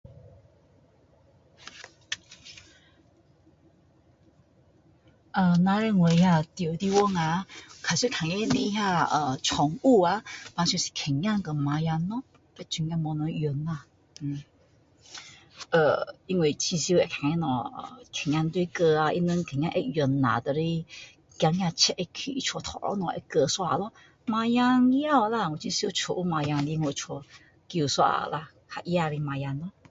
那个我住的地方呀比较多看到的宠物呀平常是狗和猫呀因为很常会听到狗一直叫 but 他们会狗养一下拿来怕贼会来家里偷东西会叫一下咯猫也有很常家有猫的来家里叫一下啦